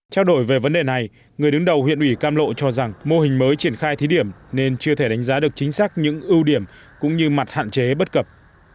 trao đổi về vấn đề này người đứng đầu huyện ủy cam lộ cho rằng mô hình mới triển khai thí điểm nên chưa thể đánh giá được chính xác những ưu điểm cũng như mặt hạn chế bất cập